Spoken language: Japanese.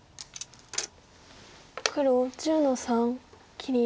黒１０の三切り。